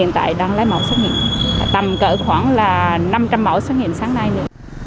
tầm cỡ khoảng là năm trăm linh mẫu xét nghiệm sáng nay nữa